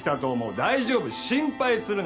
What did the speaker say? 「大丈夫心配するな。